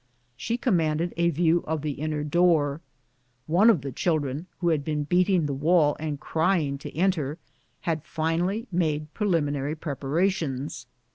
She commanded a view of the in ner door. One of the children, who had been beating the wall and crying to enter, had finally made prelimi 100 BOOTS AND SADDLES. nary preparations.